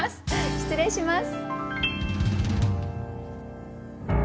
失礼します。